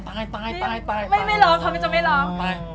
ไม่ร้องทำไมจะไม่ร้อง